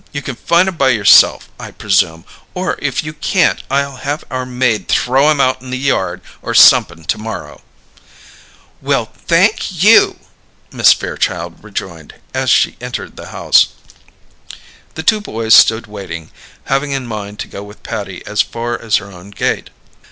"You can find 'em by yourself, I presume, or if you can't I'll have our maid throw 'em out in the yard or somep'n to morrow." "Well, thank you!" Miss Fairchild rejoined, as she entered the house. The two boys stood waiting, having in mind to go with Patty as far as her own gate.